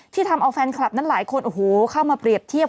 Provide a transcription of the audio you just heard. ทำเอาแฟนคลับนั้นหลายคนโอ้โหเข้ามาเปรียบเทียบ